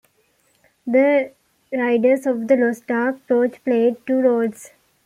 In "Raiders of the Lost Ark", Roach played two roles.